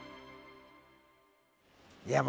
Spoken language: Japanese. いや